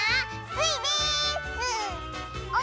スイです！